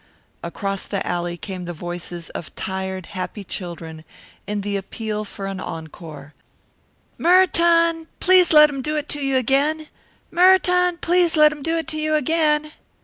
Across the alley came the voices of tired, happy children, in the appeal for an encore. "Mer tun, please let him do it to you again." "Mer tun, please let him do it to you again."